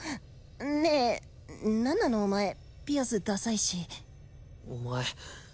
ねえ何なのお前ピアスダサいしお前